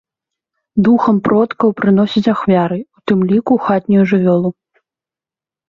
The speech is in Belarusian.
Духам продкаў прыносяць ахвяры, у тым ліку хатнюю жывёлу.